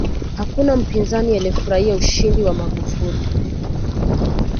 hakuna mpinzani aliyefurahia ushindi wa magufuli